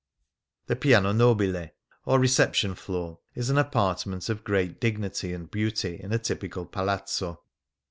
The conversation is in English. The piano noh'ile^ or reception floor, is an apartment of great dignity and beauty in a typical palazzo.